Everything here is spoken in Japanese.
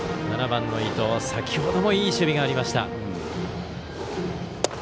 ７番の伊藤先程もいい守備がありました。